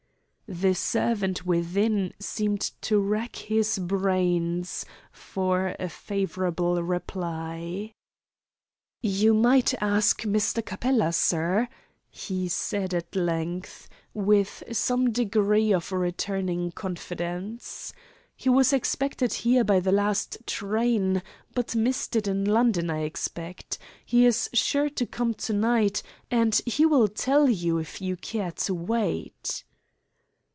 The servant within seemed to rack his brains for a favourable reply. "You might ask Mr. Capella, sir," he said at length, with some degree of returning confidence. "He was expected here by the last train, but missed it in London, I expect. He is sure to come to night, and he will tell you, if you care to wait."